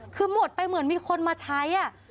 คือหมดไปเหมือนมีคนมาใช้